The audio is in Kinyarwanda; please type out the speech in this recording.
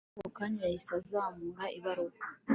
Wamupolice akokanya yahise azamura ibaruwa